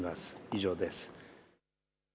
以上です。